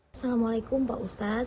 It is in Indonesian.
assalamualaikum pak ustadz